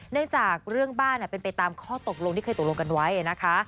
เนื่องจากเรื่องบ้านเป็นไปตามข้อตกลงที่เคยตกลงกันไว้นะคะ